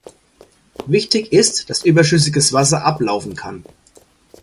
Wichtig ist, dass überschüssiges Wasser ablaufen kann.